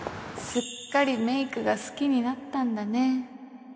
すっかりメイクが好きになったんだね